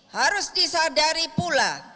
harus disadari pula